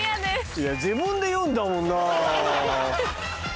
いや自分で言うんだもんなぁ。